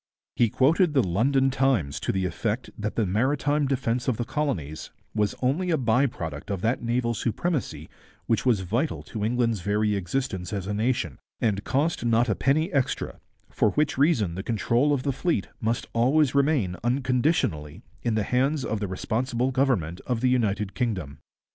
He quoted the London Times to the effect that the maritime defence of the colonies was only a by product of that naval supremacy which was vital to England's very existence as a nation, and cost not a penny extra, for which reason the control of the fleet must always remain unconditionally in the hands of the responsible government of the United Kingdom.